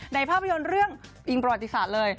ภาพยนตร์เรื่องอิงประวัติศาสตร์เลย